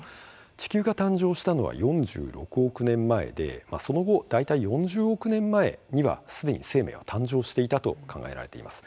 地球が誕生したのは４６億年前でその後、大体４０億年前にはすでに生命は誕生していたと考えられています。